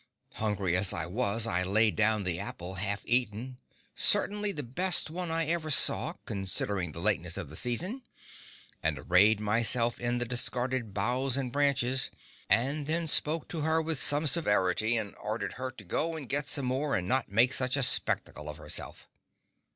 Hungry as I was, I laid down the apple half eaten—certainly the best one I ever saw, considering the lateness of the season—and arrayed myself in the discarded boughs and branches, and then spoke to her with some severity and ordered her to go and get some more and not make such a spectacle of herself.